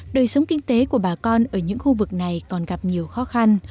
đời sống kinh tế của bà con ở những khu vực này còn gặp nhiều khó khăn